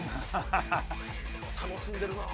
楽しんでるな。